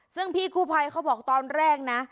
ซึ่งพี่กู้ภัยเขาบอกตอนแรกนะ